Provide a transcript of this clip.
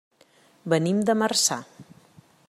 Venim de Marçà.